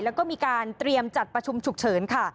แล้วก็มีการเตรียมจัดประชุมฉุกเฉินค่ะ